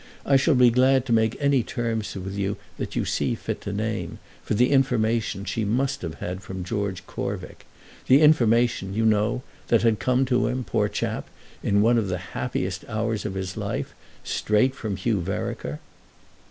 I shall be glad to make any terms with you that you see fit to name for the information she must have had from George Corvick—the information you know, that had come to him, poor chap, in one of the happiest hours of his life, straight from Hugh Vereker."